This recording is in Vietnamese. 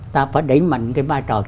ta phải đẩy mạnh cái vai trò